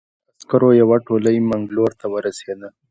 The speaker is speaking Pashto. عسکرو یوه تولۍ منګلور ته ورسېده.